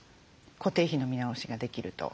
固定費の見直しができると。